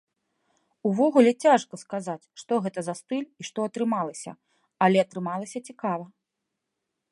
Увогуле цяжка сказаць, што гэта за стыль і што атрымалася, але атрымалася цікава.